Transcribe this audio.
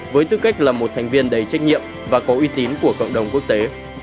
với tư cách là một thành viên đầy trách nhiệm và có uy tín của cộng đồng quốc tế